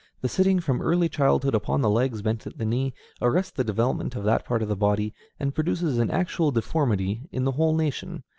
The sitting from early childhood upon the legs bent at the knee, arrests the development of that part of the body, and produces an actual deformity in the whole nation.